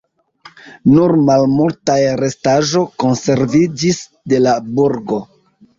Nur malmultaj restaĵo konserviĝis de la burgo.